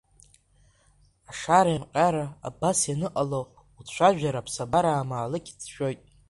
Ашара еимҟьара абас ианыҟало уцәажәар, аԥсабара амаалықь дшәоит!